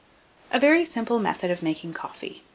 A VERY SIMPLE METHOD OF MAKING COFFEE.